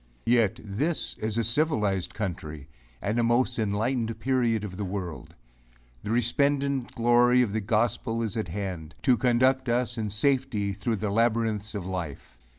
Yet this is a civilized country and a most enlightened period of the world! The resplendent glory of the gospel is at hand, to conduct us in safety through the labyrinths of life.